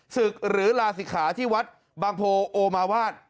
ศึกหรือลาศิกขาที่วัดบางโพโอมาวาด